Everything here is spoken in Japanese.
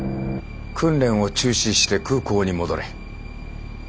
訓練を中止して空港に戻れ。